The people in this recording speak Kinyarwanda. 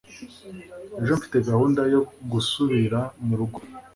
ejo mfite gahunda yo gusubira murugo